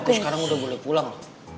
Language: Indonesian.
aku sekarang udah boleh pulang